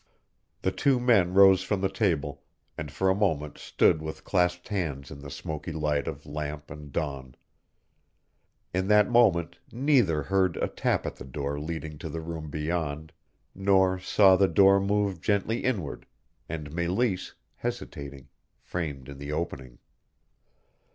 The two men rose from the table, and for a moment stood with clasped hands in the smoky light of lamp and dawn. In that moment neither heard a tap at the door leading to the room beyond, nor saw the door move gently inward, and Meleese, hesitating, framed in the opening.